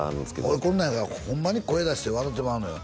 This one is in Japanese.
俺こんなんやからホンマに声出して笑うてまうのよ